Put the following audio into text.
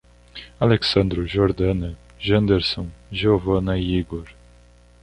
Alexsandro, Jordana, Janderson, Jeovana e Higor